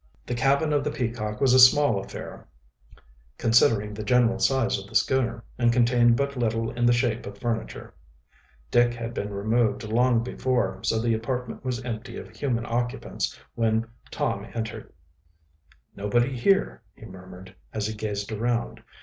The cabin of the Peacock was a small affair, considering the general size of the schooner, and contained but little in the shape of furniture. Dick had been removed long before, so the apartment was empty of human occupants when Tom entered. "Nobody here," he murmured, as he gazed around.